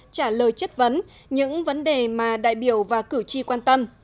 trả lời chất vấn những vấn đề mà đại biểu và cử tri quan tâm